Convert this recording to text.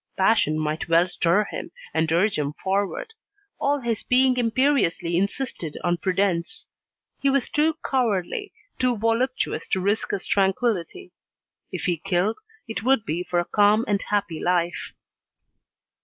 Passion might well stir him, and urge him forward; all his being imperiously insisted on prudence. He was too cowardly, too voluptuous to risk his tranquillity. If he killed, it would be for a calm and happy life.